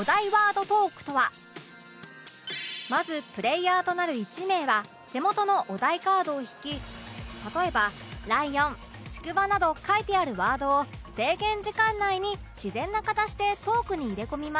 まずプレイヤーとなる１名は手元のお題カードを引き例えば「ライオン」「ちくわ」など書いてあるワードを制限時間内に自然な形でトークに入れ込みます